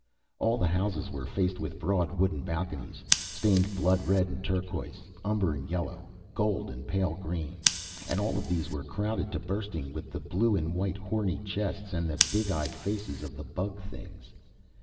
All the houses were faced with broad wooden balconies stained blood red and turquoise, umber and yellow, gold and pale green; and all of these were crowded to bursting with the blue and white horny chests and the big eyed faces of the bug things.